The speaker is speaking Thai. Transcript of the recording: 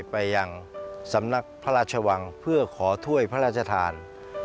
ไปยังสำนักพระราชวังเพื่อขอถ้วยพระราชทาน